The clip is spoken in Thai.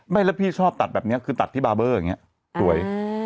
ไม่แล้วพี่ชอบตัดแบบนี้คือตัดที่บาร์เบอร์อย่างนี้สวย